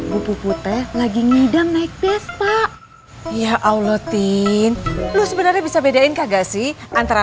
bupuput teh lagi ngidang naik vespa ya allah tin lu sebenarnya bisa bedain kagak sih antara